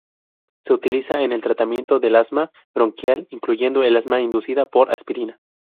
Se utiliza en el tratamiento del asma bronquial, incluyendo el asma inducida por aspirina.